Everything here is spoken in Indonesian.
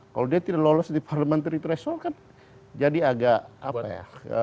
kalau dia tidak lolos di parliamentary threshold kan jadi agak apa ya